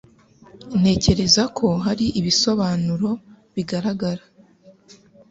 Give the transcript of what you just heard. Ntekereza ko hari ibisobanuro bigaragara.